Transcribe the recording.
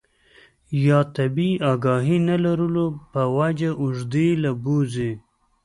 يا طبي اګاهي نۀ لرلو پۀ وجه اوږدې له بوځي